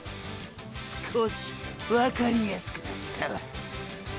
少し分かりやすくなったわ。